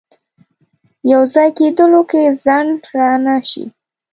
یو ځای کېدلو کې ځنډ رانه شي.